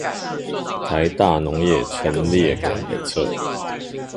臺大農業陳列館北側